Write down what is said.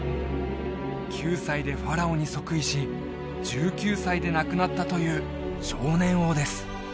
９歳でファラオに即位し１９歳で亡くなったという少年王です